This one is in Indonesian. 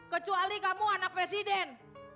kecuali kamu anak presiden